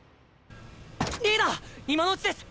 リーダー今のうちです。